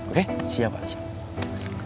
oke siap pak